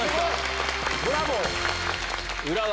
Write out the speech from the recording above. ブラボー！